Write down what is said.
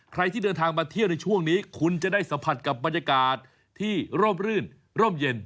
ที่เดินทางมาเที่ยวในช่วงนี้คุณจะได้สัมผัสกับบรรยากาศที่ร่มรื่นร่มเย็น